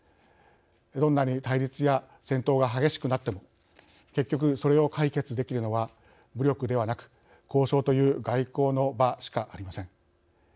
どんなに対立や戦闘が激しくなっても結局、それを解決できるのは武力ではなく、交渉という外交の場しかありません。